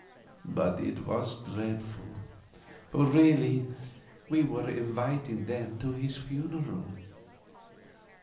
But it was dreadful, for really we were inviting them to his funeral.